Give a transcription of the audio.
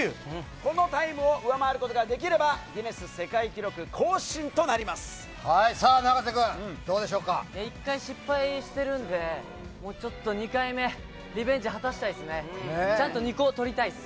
このタイムを上回ることができれば、ギネス世界記録更新となりまさあ、一回失敗してるんで、ちょっと２回目、リベンジ果たしたいですね。